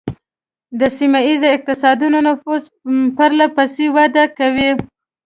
د سیمه ایزو اقتصادونو نفوذ پرله پسې وده کوي